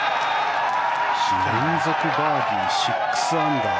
連続バーディー、６アンダー。